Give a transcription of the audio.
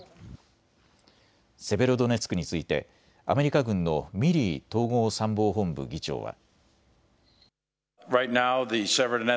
セベロドネツクについてアメリカ軍のミリー統合参謀本部議長は。